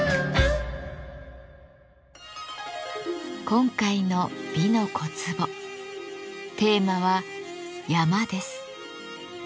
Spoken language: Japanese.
今回の「美の小壺」テーマは「山」です。